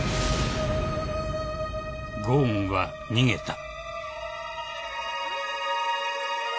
［ゴーンは逃げた］